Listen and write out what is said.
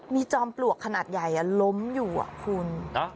มีจอมปลวกขนาดใหญ่ล้มอยู่คุณ